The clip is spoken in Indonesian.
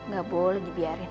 gak boleh dibiarin